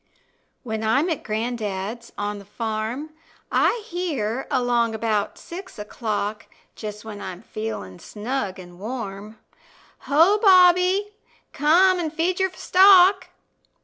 When I'm at gran'dad's on the farm, I hear along 'bout six o'clock, Just when I'm feelin' snug an' warm, "Ho, Bobby, come and feed your stock."